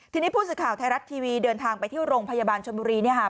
ทีนี้ผู้สื่อข่าวไทยรัฐทีวีเดินทางไปที่โรงพยาบาลชนบุรีเนี่ยค่ะ